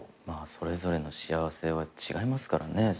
まあそれぞれの幸せは違いますからね。